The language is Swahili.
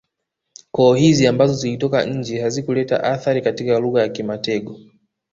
Koo hizi ambazo zilitoka nje hazikuleta athari katika lugha ya kimatengo